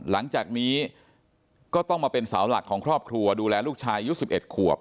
หลังจากนี้ก็ต้องมาเป็นเสาหลักของครอบครัวดูแลลูกชายอายุ๑๑ขวบ